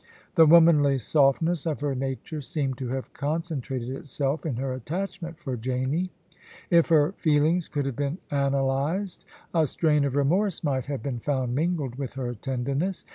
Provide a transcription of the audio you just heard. The womanly softness of her nature seemed to have con centrated itself in her attachment for Janie. If her feelings could have been analysed, a strain of remorse might have been found mingled with her tenderness.